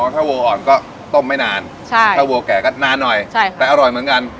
ถ้าวัวอ่อนก็ต้มไม่นานถ้าวัวแก่ก็นานหน่อยแต่อร่อยเหมือนกัน